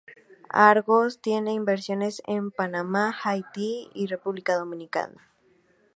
Argos tiene inversiones en Panamá, Haití y República Dominicana.